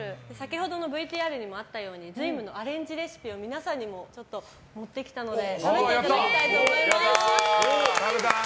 ＶＴＲにもあったように瑞夢のアレンジレシピを皆さんにも持ってきたので食べていただきたいと思います。